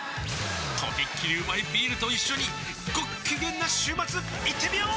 とびっきりうまいビールと一緒にごっきげんな週末いってみよー！